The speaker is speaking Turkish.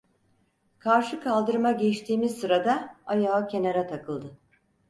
Karşı kaldırıma geçtiğimiz sırada ayağı kenara takıldı.